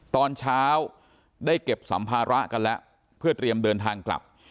ตอนเช้าได้เก็บสัมภาระกันแล้วเพื่อเตรียมเดินทางกลับ